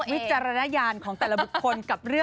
อันนี้คืออยู่กับวิจารณญาณของแต่ละบุคคล